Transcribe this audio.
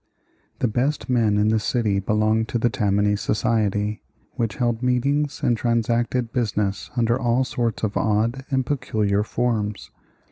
The best men in the city belonged to the Tammany Society, which held meetings and transacted business under all sorts of odd and peculiar forms.